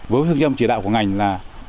với hướng dẫn chỉ đạo của ngành là